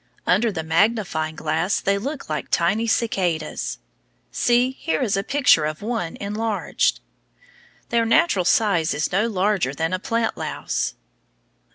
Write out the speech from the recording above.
Under the magnifying glass they look like tiny cicadas. See, here is a picture of one enlarged. Their natural size is no larger than a plant louse.